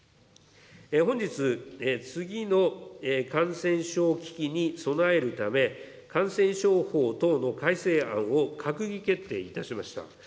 本日、次の感染症危機に備えるため、感染症法等の改正案を閣議決定いたしました。